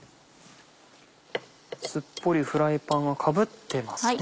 すっぽりフライパンがかぶってますね。